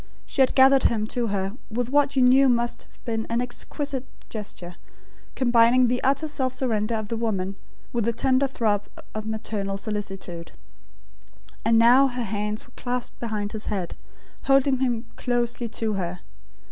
She had gathered him to her with what you knew must have been an exquisite gesture, combining the utter self surrender of the woman, with the tender throb of maternal solicitude; and now her hands were clasped behind his head, holding him closely to her.